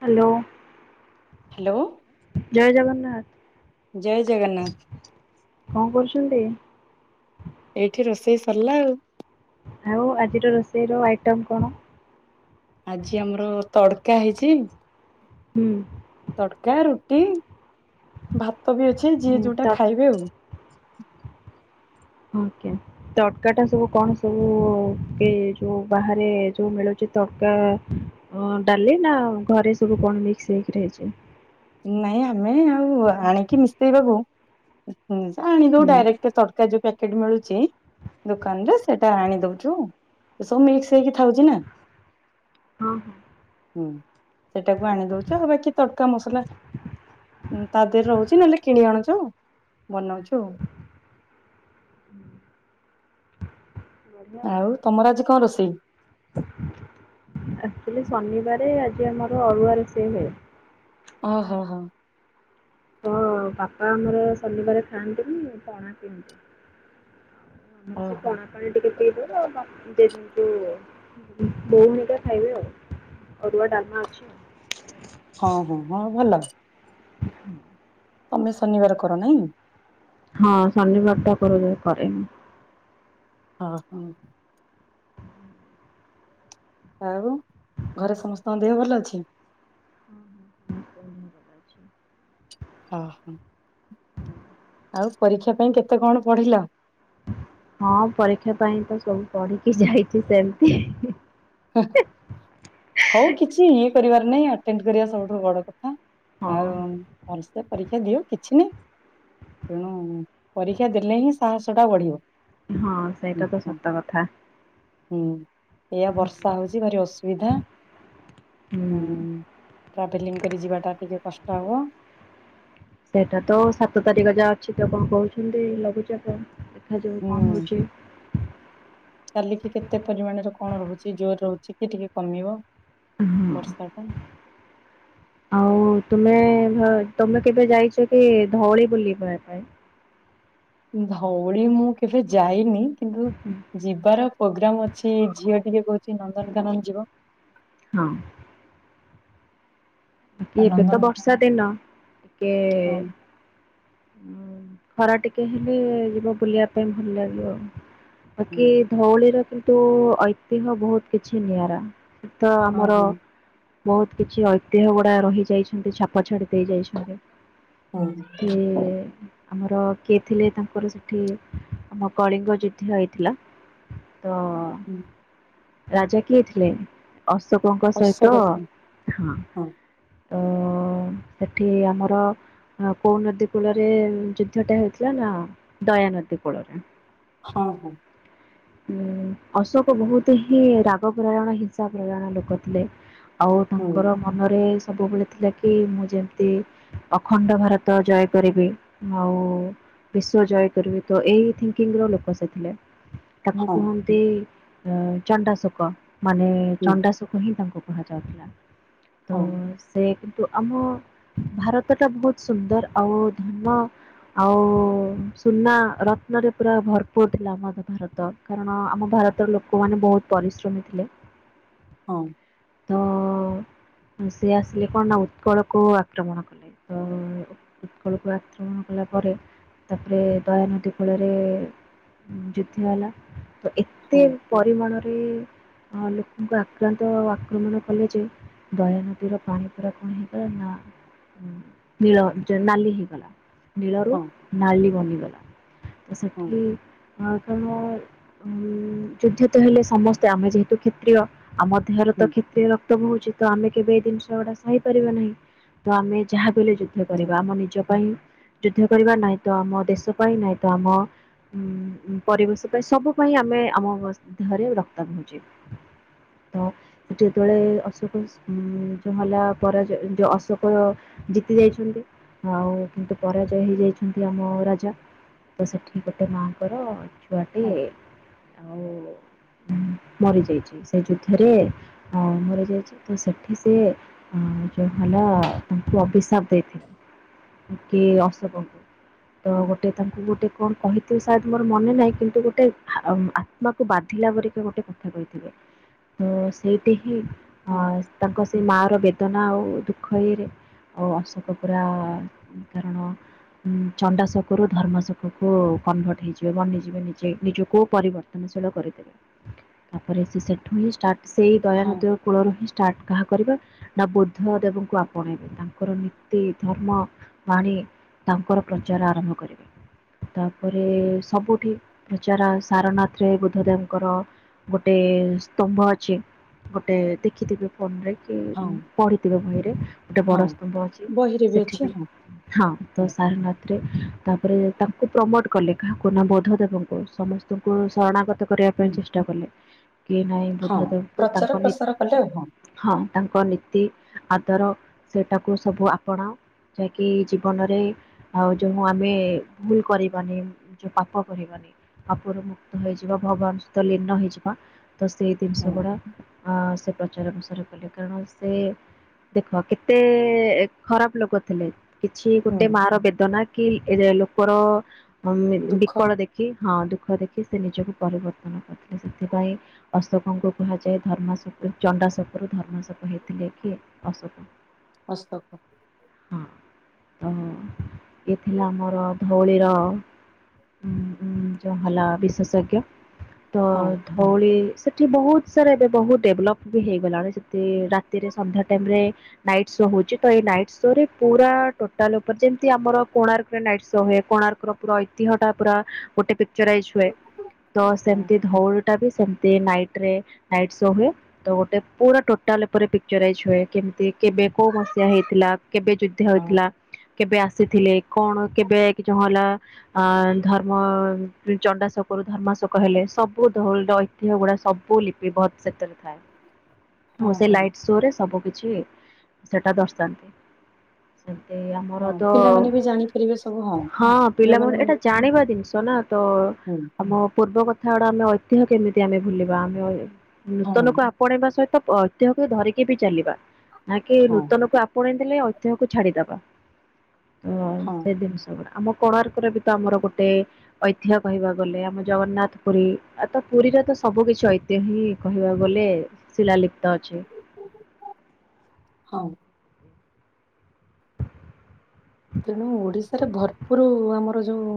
Hello. Hello ଜୟ ଜୟ ଜଗନ୍ନାଥ। ଜଗନ୍ନାଥ କଣ କରୁଚନ୍ତି? ଏଇଠି ରୋଷେଇ ସରିଲା ଆଉ। ଆଉ ଆଜିର ରୋଷେଇ ର ଆଇଟମ କଣ? ଆଜି ଆମର ତଡକା ହେଇଚି ହୁଁ ତଡକା ରୁଟି ଭାତ ବି ଅଛି ଯିଏ ହୁଁ, ଯୋଉଟା ତଡ୍ ଖାଇବେ ଆଉ। ଓକେ। ତଡ଼କା ଟା ସବୁ କଣ ସବୁ ଏ ଯୋଉ ବାହାରେ ଯୋଉ ମିଳୁଚି ତଡକା ଅ ଡାଲି ନା ଘରେ ସବୁ କଣ ମିକ୍ସ ହେଇକି ହେଇଚି। ନାଇଁ ଆମେ ଆଉ ଆଣିକି ମିଶେଇବାକୁ ଆଣିଦଉ ହୁଁ। ଡାଇରେକ୍ଟ ତ ତଡକା ପ୍ୟାକେଟ ମିଳୁଚି ଦୋକାନରେ ସେଟା ଆଣି ଦଉଚୁ ସବୁ ମିକ୍ସ ହେଇକି ଥାଉଚିନା। ହଁ ହଁ। ହୁଁ ସେଟାକୁ ଆଣିଦଉଚୁ ଆଉ ବାକି ତଡ଼କା ମସଲା ତା ଦେହରେ ରହୁଚି ନହେଲେ କିଣି ଆଣୁଚୁ ବନଉଛୁ ଆଉ। ହୁଁ। [inaudible] ଆଉ ତମର ଆଜି କଣ ରୋଷେଇ? ଆଚ୍ୟୁଲି ଶନିବାର ଆଜି ଆମର ଅରୁଆ ରୋଷେଇ ହୁଏ। ଅ ହ ହ। ହଁ ବାପା ଆମର ଶନିବାରେ ଖାଆନ୍ତିନି ପଣା ପିଅନ୍ତି। ଆମର ସେ ଓହୋ ପଣା ପାଣି ଟିକେ ପିଇଦେବେ ଆଉ ବା ବୋଉ ହେରିକା ଖାଇବେ ଆଉ। ଅରୁଆ ଡାଲମା ଅଛି ଆଉ। ହଁ ହଁ ହଁ ଭଲ। ହୁଁ। [inaudible] ତମେ ଶନିବାର କର ନାଇଁ? ହଁ ଶନିବାରେ ଟା କରାଯାଏ କରେ ମୁଁ। ଅ ହଁ। ଆଉ ଘରେ ସମସ୍ତଙ୍କ ଦେହ ଭଲ ଅଛି? ହଁ ହଁ ହଁ ସମସ୍ତେଙ୍କ ଦେହ ଭଲ ଅଛି। ହ ହଉ ଆଉ ପରୀକ୍ଷା ପାଇଁ କେତେ କଣ ପଢିଲ? ହଁ ପରୀକ୍ଷା ପାଇଁ ତ ସବୁ ପଢିକି ଯାଇଚି ସେମିତି। ହଉ କିଛି ଇଏ କରିବାର ନାଇଁ ଆଟେଣ୍ଡ କରିବା ସବୁଠୁ ବଡ କଥା। ହଁ। ଆଉ ଭଲସେ ପରୀକ୍ଷା ପରୀକ୍ଷା ଦିଅ କିଛି ନାହିଁ। ତେଣୁ ପରୀକ୍ଷା ଦେଲେ ହିଁ ସାହସ ଟା ବଢିବ। ହଁ ହୁଁ ସେଇଟା ତ ହୁଁ ସତ କଥା। ହୁଁ ଏଆ ହୁଁ। ବର୍ଷ ଆ ହଉଚି ଭାରି ଅସୁବିଧା ହୁଁ। ଟ୍ରାଭେଲିଂ କରି ଯିବାଟା ଟିକିେ କଷ୍ଟ ହେବ। ସେଇଟା ତ ସାତ ତାରିଖ ଯାହା ଅଛି ତ କ ଣ କହୁଚନ୍ତି ଲଘୁଚାପ ଦେଖାଯାଉ କଣ ହୁଁ। ହେଉଚି। କାଲିକି କେତେ ପରିମାଣରେ କଣ ରହୁଛି ଜୋର ରହୁଛି କି ଟିକେ କମିବ ହଁ ବର୍ଷା ଟା। ଆଉ ତମେ ତମେ କେବେ ଯାଇଚ କି ଧଉଳି ବୁଲିବାିବା ପାଇଁ? ଧଉଳି ମୁଁ କେବେ ଯାଇନି କିନ୍ତୁ ଯିବାର ପୋଗ୍ରାମ ଅଛି ଝିଅ ଟିକେ କହୁଚି ନନ୍ଦନକାନନ ଯିବ। ହଁ। ବାି ଆଉ ଏବେ ତ ନନ୍ଦନକାନନ ବର୍ଷା ଦିନ ଟିକେ ହଁ ଖରା ଟିକେ ହେଲେ ଯିବ ବୁଲିବା ପାଇଁ ଭଲ ଲାଗିବ ଆଉ। ହଁ ବାକି ଧଉଳିର କିନ୍ତୁ ଐତିହ୍ୟ ବହୁତ କିଛି ନିଆରା। ତ ଆମର ହଁ ବହୁତ କିଛି ଐତିହ୍ୟ ଗୁଡା ରହି ଯାଇଛନ୍ତି ଛାପ ଛାଡି ଦେଇ ଯାଇଛନ୍ତି। ହଁ [unintelligible] ଆମର କିଏ ଥିଲେ ତାଙ୍କର ସେଠି ଆମ କଳିଙ୍ଗ ଯୁଦ୍ଧ ହେଇଥିଲା। ତ ହୁଁ। ରାଜା କିଏ ଥିଲେ ଅଶୋକଙ୍କ ସହିତ ଅଶୋକ ଝର ହଁ। ତ ସେଠି ଆମର କୋଉ ନଦୀ କୂଳରେ ଯୁଦ୍ଧ ଟା ହେଉଥିଲା ନା ଦୟା ନଦୀ କୂଳରେ। ହଁ ହଁ। ଉଁ ଅଶୋକ ବହୁତ ହିଁ ରାଗ ପ୍ରୟଣ ହିଂସା ପ୍ରୟଣ ଲୋକ ଥିଲେ। ଆଉ ତାଙ୍କର ମନରେ ସବୁବେଳେ ଥିଲା କି ମୁଁ ଯେମିତି ଅଖଣ୍ଡ ଭାରତ ଜୟ କରିବି। ଆଉ ବିଶ୍ୱ ଜୟ କରିବି ତ ଏହିଇ ଥିଙ୍କିଙ୍ଗର ଲୋକ ସେଥିଲେ। ତାଙ୍କୁ ହଁ କୁହନ୍ତି ଚଣ୍ଡାଶୋକ ମାନେ ହୁଁ ଚଣ୍ଡା କୁ ହିଁ ତାଙ୍କୁ କୁହାଯାଉଥିଲା। ତ ହଁ। ସେ କିନ୍ତୁ ଆମ ଭାରତ ଟା ବହୁତ ସୁନ୍ଦର ଆଉ ଧର୍ମ ଆଉ ସୁନା ରତ୍ନରେ ପୁରା ଭରପୁର ଥିଲା ଆମର ଭାରତ କାରଣ ଆମ ଭାରତର ଲୋକମାନେ ବହୁତ ପରିଶ୍ରମୀ ଥିଲେ ହଁ। ତ ସେି ଆସିଲେ କଣ ନା ଉତ୍କଳକୁ ଆକ୍ରମଣ କଲେ। ତ ଉତ୍କଳକୁ ଆକ୍ରମଣ କଲା ପରେ ତାପରେ ଦୟାାନଦୀ ଫଳରେ ଯୁଦ୍ଧ ହେଲା ତ ଏତେ ହଁ ହଁ ପରିମାଣରେ ଲୋକଙ୍କୁ ଆକ୍ରାନ୍ତ ଆକ୍ରମଣ କଲେ ଯେ ଦୟାନ ଦି ର ପାଣି ପୁରା କଣ ହେଇଗଲା ନା ନୀଳ ଜ ନାଲି ହେଇଗଲା। ନୀଳରୁ ହଁ ନାଲି ବନିଗଲା। ତ ହଁ ସେଠି ହଁ ତ ମୁଁ ଉଁ ଯୁଦ୍ଧ ତ ହେଲେ ସମସ୍ତେ ଆମେ ଯେହେତୁ କ୍ଷତ୍ରୀୟ ଆମ ଦେହରେ ତ ହୁଁ କ୍ଷତ୍ରୀୟ ରକ୍ତ ବହୁଚି ତ ଆମେ କେବେ ଜିନିଷ ଗୁଡା ସହିପାରିବା ନାହିଁ ତ ଆମେ ଯାହା ବି ହେଲେ ଯୁଦ୍ଧ ନା କରିବା ଆମ ନିଜ ପାଇଁ ଯୁଦ୍ଧ କରିବା ନାହି ତ ଆମ ଦେଶ ପାଇଁ ନାହି ତ ଆମ ଉଁ ଉଁ ପରିବେଶ ପାଇଁ ସବୁ ପାଇଁ ଆମେ ଆମ ଦେହରେ ରକ୍ତ ବହୁଚି। ତ ସେଠି ଯେତେବେଳେ ଅଶୋକ ଉଁ ଉଁ ହେଲା ପରାଜୟ ଯୋଉ ଅଶୋକ ଜିତି ଯାଇଛନ୍ତି। ଆଉ କିନ୍ତୁ ପରାଜୟ ହେଇଯାଇଛନ୍ତି ଆମ ରାଜା। ତ ସେଠି ଗୋଟେ ମାଆଙ୍କର ଛୁଆଟେ ହଁ ଆଉ ଉଁ ମରିଯାଇଛି ସେ ଯୁଦ୍ଧରେ ଅ ମରିଯାଇଛି ତ ସେଠି ସିଏ ଅଁ ଯୋଉ ହେଲା ତାଙ୍କୁ ଅଭିଶାପ ଦେଇଥିଲେ। ଉଁ କି ଅଶୋକଙ୍କୁ ତ ହୁଁ ଗୋ ଟେ ତାଙ୍କୁ ଗୋଟେ କଣ କହିଥିବେ ସାଏଦ ମୋର ମନେ ନାହିଁ କିନ୍ତୁ ଗୋଟେ ହା ଅ ଆତ୍ମାକୁ ବାଧିଲା ପରିକା ଗୋଟେ କ ଥା କହିଥିବ ତ ସେଇଟି ହିଁ ହଁ ଅଁ ତାଙ୍କ ସେଇ ମାଆ ର ବେଦନା ଆଉ ଦୁଃଖ ଇଏରେ ଆଉ ଅଶୋକ ପୁରା କାରଣ ଉଁ ଚଣ୍ଡା ଶୋକରୁ ଧର୍ମା ଶୋକ କୁ କନଭର୍ଟ ହେଇଯିବେ ବନିଯିବେ ନିଜେ ନିଜୁକୁ ପରିବର୍ତ୍ତ ର୍ତ୍ତନଶୀଳ କରିଦେବେ ତାପରେ ସେ ସେଠୁ ହିଁ ଷ୍ଟାର୍ଟ ସେଇ ଦୟା ହଁ ନଦୀର କୂଳରୁ ହିଁ ଷ୍ଟାର୍ଟ କାହା କରିବ ନା ବୁଦ୍ଧ ଦେବଙ୍କୁ ଆପଣେଇବେ ତାଙ୍କର ନୀତି, ଧର୍ମ ବାଣୀ ତାଙ୍କର ପ୍ରଚାର ଆରମ୍ଭ କରିବେ। ତାପରେ ସବୁଠି ପ୍ରଚାର ଆ ସାରନାଥରେ ବୁଦ୍ଧ ଦେବଙ୍କର ଗୋଟେ ସ୍ତମ୍ଭ ଅଛି ଗୋଟେ ଦେଖିଥିବେ ଫୋନରେ କି ଉଁ ହଁ ପଢିଥିବେ ବହିରେ ଗୋଟେ ହଁ ବଡ ସ୍ତମ୍ଭ ଅଛି ବହିରେ ସେଠି ଅଛି ବି ହଁ ହଁ ତ ହୁଁ ସାରନାଥରେ ତାପରେ ତାଙ୍କୁ ପ୍ରମୋଟ କଲେ କାହାକୁ ନା ବୁଦ୍ଧ ଦେବଙ୍କୁ ସମ ସ୍ତଙ୍କୁ ଶରଣାଗତ କରିଆ ହୁଁ ପାଇଁ ଚେଷ୍ଟା କଲେ କି ନାଇଁ ହଁ ବୁଦ୍ଧ ଦେବଙ୍କୁୁ ପ୍ରଚାର ତାଙ୍କ ନି ପ୍ରସାର କଲେ ହଁ। ହଁ ତାଙ୍କ ନୀତି, ଆଦର ସେଟାକୁ ସବୁ ଆପଣାଅ। ଯାହାକି ଜୀବନରେ ଆଉ ଯୋଉ ମୁଁ ଆମେ ଭୁଲ କରିବାନି ଯୋଉ ପାପ କରିବାନି। ପାପରୁ ମୁୁକ୍ତ ହେଇଯିବ ଭଗବାନ ସହିତ ଲୀନ ହୋଇଯିବା ତ ସେଇ ଜିନିଷ ହୁଁ ଗୁଡ଼ା ଅଁ ସେ ପ୍ରଚାର ପ୍ରସାର କଲେ କାରଣ ସେ ଦେଖ କେତେ ଏ ଖରାପ ଲୋକ ଥିଲେ। କିଛି ଗୋଟେ ହୁଁ ମାଆ ର ବେଦନା କି ଏରେ ଲୋକର ଅଁ ଇଁ ଦୁଃଖ ବିକଳ ଦେ ଖି ହଁ ଦୁଃଖ ଦେଖି ସେ ନିଜକୁ ପରିବର୍ତ୍ତନ କରିଥିଲେ ସେଥିପାଇଁ ଅଶୋକଙ୍କୁ କୁହାଯାଏ ଧର୍ମା ଶୋ ଉ ଚଣ୍ଡା ଶୋକରୁ ଧର୍ମା ଶୋକ ହେଇଥିଲେ କିଏ ଅଶୋକ। ଅଶୋକ। ଅ ହୋ ଇଏ ଥିଲା ଆମର ଧଉଳିର ଉଁ ଉଁ ଯୋଉ ହେଲା ବିଶେଷଜ୍ଞ। ତ ହଁ ଧଉଳି ସେଠି ବହୁତ ସାରା ଏବେ ବହୁତ ଡେବଲପ ବି ହେଇଗଲାଣି ସେଠି ରାତିରେ ସନ୍ଧ୍ୟା ଟାଇମ ରେ ନାଇଟ୍ ଶୋ ହଉଚି ତ ଏଇ ନାଇଟ୍ ଶୋ ରେ ପୁରା ଟୋଟାଲ ଉପରେ ଯେମତି ଆମର କୋଣାର୍କରେ ନାଇଟ୍ ଶୋ ହୁଏ କୋଣାର୍କ ର୍କର ପୁରା ଐତିହ ଟା ପୁରା ଗୋଟେ ପିକ୍ଚରାଇଜ୍ ହୁଏ। [unintelligible] ତ ହଁ ସେମତି ଧଉଲି ଟା ବି ସେମତି ନାଇଟ୍ ରେ ନାଇଟ୍ ଶୋ ହୁଏ। ତ ଗୋଟେ ପୁରା ଟୋଟାଲ ଉପରେ ପିକ୍ଚରାଇଜ ହୁଏ କେମତି କେବେ କୋଉ ମସିହା ହେଇଥିଲା, କେବେ ଯୁଦ୍ଧ ହଁ ହେଇଥିଲା। କେବେ ଆସିଥିଲେ କଣ କେବେ ଜ ହେଲା। ଅ ଧର୍ମ ଚଣ୍ଡାଶୋକରୁ ଧର୍ମାଶୋକ ହେଲେ ସବୁ [unintelligible] ଦେହଗୁଡ଼ା ସବୁ ଲିପି ବତ ସେଥିରେ ଥାଏ। ମୁ ହଁ ସେ ହଁ ଲାଇଟ୍ ଶୋରେ ସବୁ କିଛି ସେଟା ଦର୍ଶାନ୍ତୁ। ସେତେ ହଁ ଆମର ତ ପିଲାମାନେ ବି ଜାଣିପାରିବେ ସବୁ ହଁ ପିଲାମାନେ ଯୋଉମାନେ ଏଇଟା ଜାଣିବା ଜିନିଷ ନା ତ ହୁଁ ଆମ ପୂର୍ବ କ ଥା ଗୁଡ଼ା ଆମେ ଐତିହ୍ୟ କେମିତି ଆମେ ଭୁଲିବା ଆମେ ହଁ ନୂତନକୁ ଆ ପଣେଇବା ସହିତ ଐତିହ୍ୟକୁ ଧରିକି ବି ଚାଲିବା ନାକି ହଁ ନୂତନକୁ ଆପ ଆପଣେଇ ଦେଲେ ଐତିହ୍ୟକୁ ଛାଡିଦବା ତ ହଁ ସେ ଜିନିଷ [unintelligible] ଆମ କୋଣାର୍କରେ ବି ତ ଆମର ଗୋଟେ ଐତିହ୍ୟ କହିବାକୁ ଗଲେ ଆମ ଜଗନ୍ନାଥ ପୁରୀ ଆ ତ ପୁରୀରେ ତ ସବୁ କିିଛି ଐତିହ୍ୟ ହିଁ କହିବାକୁ ଗଲେ ଶିଲା ଲିପ୍ତ ଅଛି। ହଉ। ତେଣୁ ଓଡିଶାରେ ଭରପୁର ଆମର ଯୋଉ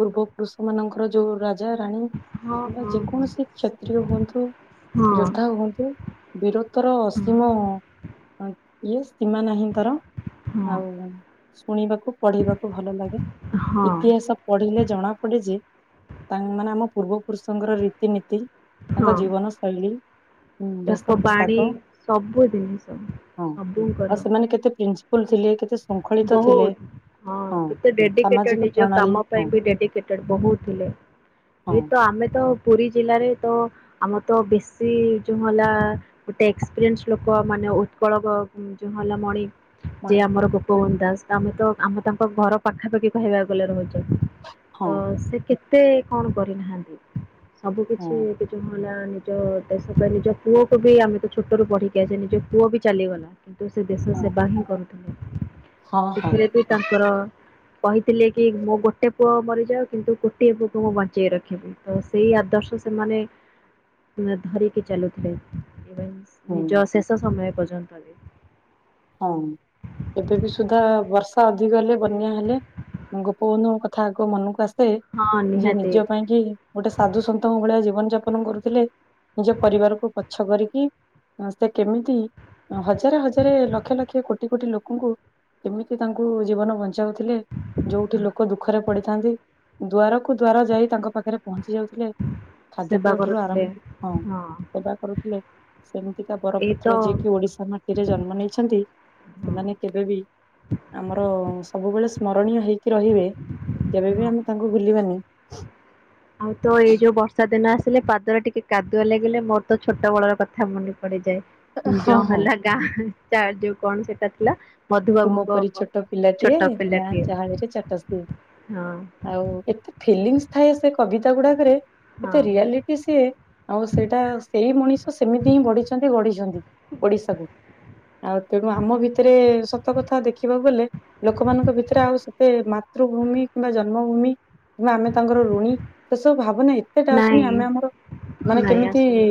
ପୂର୍ବ ପୁରୁଷ ମାନଙ୍କର ଯୋଉ ରା ରାଜା ରାଣୀ ହଁ କିମ୍ବା ହଁ ଯେକୌଣସି କ୍ଷତ୍ରୀୟ ହୁଅନ୍ତୁ ହଁ ଯୋଦ୍ଧା ହୁଅନ୍ତୁ। ବୀରତ୍ୱର ହଁ ଅସୀମ ଇଏ ସୀମା ନାହିଁନ୍ତର ହଁ ଆଉ ଶୁଣିବାକୁ ପଢେଇବାକୁ ଭଲ ଲାଗେ ହଁ ଇତିହାସ ପଢିଲେ ଜଣା ପଡେ ଯେ ମାନେ ଆମ ପୂର୍ବ ପୁରୁଷଙ୍କର ରୀତିନୀତି ତାଙ୍କ ହଁ। ଜୀବନଶୈଳୀ ଉଁ ବେଷ ତାଙ୍କ ବାଣୀ ପୋଷାକ ସବୁ ଜିନିଷ ହଁ ସବୁଙ୍କର ଆଉ ସେମାନେ କେତେ ପିନ ପୁଲ ଥିଲେ କେତେ ଶୁଙ୍ଖଳୀତ ହଁ କେତେ ଡେଡିକେଟେଡ ସାମାଜିକ ନିଜ ପ୍ରଣାଳୀ କାମ ହଁ ପାଇଁ ବି ଡେଡିକେଟେଡ୍ ବହୁତ ଥିଲେ। ହଁ ଏଇ ତ ଆମେ ତ ପୁରୀ ଜିଲ୍ଲାରେ ତ ଆମର ତ ବେଶୀ ଯୋଉ ହେଲା ଗୋଟେ ଏକ୍ସପିରିଏନ୍ସ ଲୋକ ମାନେ ଉତ୍କଳ ଯୋଉ ହେଲା ମଣି ଯେ ମା- ଆମର ଗୋପବନ୍ଧୁ ଦାସ ଆମେ ତ ଆମେ ତାଙ୍କ ଘର ପାଖାପାଖି କହିବାକୁ ଗଲେ ରହୁଚୁ। ହଁ ତ ସେ କେତେ କଣ କରିନାହାନ୍ତି ସବୁ କିଛି ହଁ ହେଲା ନିଜ ଦେଶ ପାଇଁ ନିଜ ପୁଅକୁ ବି ଆମେ ତ ଛୋଟ ରୁ ପଢିକି ଆଇଚେ ନିଜ ପୁଅ ବି ଚାଲିଗଲା। କିନ୍ତୁ ସେ ଦେଶ ହଁ ସେବା ହିଁ କରୁଥିଲେ ହଁ ହଁ ସେଥିରେ ବି ତାଙ୍କର କହିଥିଲେ କି ମୋ ଗୋଟେ ପୁଅ ମରିଯାଉ କିନ୍ତୁ କୋଟିଏ ପୁଅକୁ ମୁଁ ବଞ୍ଚେଇ ରଖିବି। ତ ସେଇ ଆଦର୍ଶ ସେମାନେ ଧରିକି ଚାଲୁଥିଲେ। ହୁଁ ନିଜ ଶେଷ ସମୟ ପର୍ଯ୍ୟନ୍ତ ବି। ହଁ ଏବେ ବିି ସୁଦ୍ଧା ବର୍ଷା ଅଧିକ ହେଲେ ବନ୍ୟା ହେଲେ ଗୋପବନ୍ଧୁ କଥ ଥା ଆଗ ମନକୁ ଆସେ ହଁ ଯିଏ ନିହାତି ନିଜ ପାଇଁ କି ଗୋଟେ ସାଧୁ ସନ୍ତଙ୍କ ଭଳିଆ ଜୀବନ ଯାପନ କରୁଥିଲେ ନିଜ ପରିବାରକୁ ପଛ କରିକି। ସେ କେମିତି ହଜାରେ ହଜାରେ ଲକ୍ଷ ଲକ୍ଷ ଲକ୍ଷ କୋଟି କୋଟି ଲୋକଙ୍କୁ ଏମିତି ତାଙ୍କୁ ଜୀବନ ବଞ୍ଚାଉଥିଲେ ଯୋଉଠି ଲୋକ ଦୁଃଖରେ ପଡିଥାନ୍ତି ଦ୍ୱାରକୁ ଦ୍ୱାର ଯାଇ ତାଙ୍କ ପାଖରେ ପହଞ୍ଚି ଯାଉଥିଲେ। ଖାଦ୍ୟ ସେବା ପେୟ ଠାରୁ କରୁଥିଲେ ଆରମ୍ଭ ହଁ ସେବା କରୁଥିଲେ। ସେମିତିକା ଏଇ ତ ବରପୁତ୍ର ଯିଏକି ଓଡିଶା ମାଟିରେ ଜନ୍ମ ନେଇଛନ୍ତି ହଁ ସେମାନେ କେବେବି ଆମର ସବୁବେଳେ ସ୍ମରଣୀୟ ହେଇକି ରହିବେ କେବେ ବି ହଁ। ଆମେ ତାଙ୍କୁ ଭୁଲିବାନି। ଆଉ ତ ଏଇ ଯୋଉ ବର୍ଷା ଦିନ ଆସିଲେ ପାଦରେ ଟିକେ କାଦୁଅ ଲାଗିଲେ ମୋର ତ ଛୋଟ ବେଳର କଥା ମନେ ପଡିଯାଏ। ହଁ ଯ ହଁ ହେଲା ଗାଁ ତାର ଯୋଉ କଣ ସେଟା ଥିଲା? ତୁମ ପରି ମଧୁବାବୁଙ୍କ ଛୋଟ ପିଲାଟିଏ ଛୋଟ ଗାଁ ପିଲାଟିଏ ଚାହାଳିରେ ଚାଟସିଏ। ହଁ ଆଉ ଏତେ ଫିଲିଙ୍ଗ୍୍ସ ଥାଏ ସେ କବିତା ଗୁଡାକରେ ଏତେ ହଁ ରିଆଲିଟି। ଏ ସିଏ ଆଉ ସେଇଟା ସେଇ ମଣିଷ ସେମିତି ହିଁ ବଢିଛନ୍ତି ଗଢିଛନ୍ତି ଓଡିଶାକୁ। ଆଉ ତେଣୁ ଆମ ଭିତରେ ସ ସତ କଥା ଦେଖିବାକୁ ଗଲେ ଲୋକମାନଙ୍କ ଭିତରେ ଆଉ ସେତେ ମାତୃଭୂମି କିମ୍ବା ଜନ୍ମଭୂମି ଆମେ ତାଙ୍କର ଋଣୀ ସେ ସବୁ ଭାବନାହିଁ। ସେଟା ଆ ଶୁନି ନାଇଁ ଆମେ ଆମର ମାନେ ନାଇଁ କେମିତି ଆସୁନି।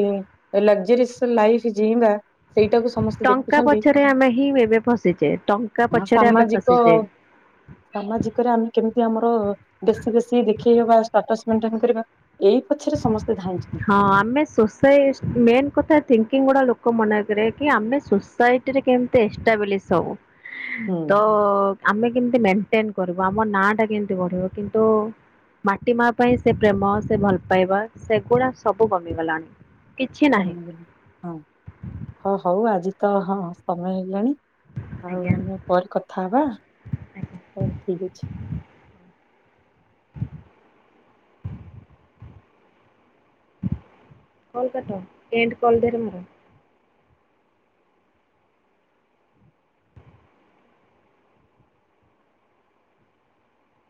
ଲଗ୍ଜରିୟସ୍ ଲାଇଫ୍ ଯିଁବା। ଟଙ୍କା ପଛରେ ଆମେ ହିଁ ଏବେ ଫସିଛେ ଟଂ ହଁ ସାମାଜିକ ସାମାଜିକରେ ଆମେ କେମିତି ଆମର ବେଶୀ ବେଶୀ ଦେଖେଇ ହବା ସ୍ଟାଟସ୍ ମେଟଣ୍ଟେନ୍ କରିବା। ଏଇ ପଛରେ ସମସ୍ତେ ଧାଇଁଛନ୍ତି। ହଁ ଆମେ ସୋସାଇ ମେନ୍ କଥା ଥିଙ୍କିଙ୍ଗ୍ ଗୁଡା ଲୋକ ମନେ ଭିତରେ କି ଆମେ ଶୁ ସୁସାଇଟିରେ କେମତି ଏଷ୍ଟାବ୍ଲିଶ୍ ହବୁ ହୁଁ। ତ ଆମେ କେମିତି ମେଣ୍ଟେନ୍ କରିବୁ ଆମ ନା ଟା କେମିତି ବଢିବ କିନ୍ତୁ ମାଟି ମା ପାଇଁ ସେ ପ୍ରେମ ସେ ଭଲ ପାଇବା ସେଗୁଡା ସବୁ କମିଗଲା। ହଁ ହଁ ହଉ ଆଜି ତ ହଁ ସମୟ ହେଇଗଲାଣି। ଆଉ ଆଜ୍ଞା ଆମେ ପରେ କଥା ହବା ଆଜ୍ଞା ହଉ ଠିକ୍ ଅଛି। କଲ୍ କାଟ ଏଣ୍ଡ୍ କଲ୍ ଦେରେ ମୋର।